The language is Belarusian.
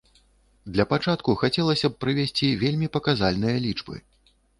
Для пачатку хацелася б прывесці вельмі паказальныя лічбы.